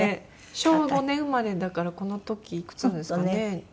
昭和５年生まれだからこの時いくつですかね？